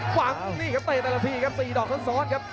หวังนี่ครับเตะแต่ละทีครับ๔ดอกซ้อนครับ